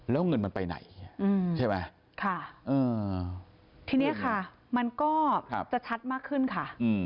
แล้วเงินมันไปไหนใช่ไหมค่ะทีนี้ค่ะมันก็จะชัดมากขึ้นค่ะ